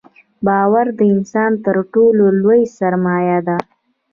• باور د انسان تر ټولو لوی سرمایه ده.